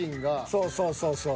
そうそうそうそう。